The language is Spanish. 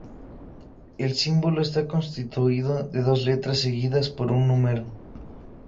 El símbolo está constituido de dos letras seguidas por un número.